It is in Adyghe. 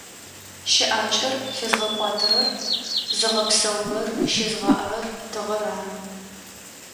Щыӏакӏэр лъызгъэкӏуатэрэр, зыгъэпсэурэр, щызгъаӏэрэр тыгъэр ары.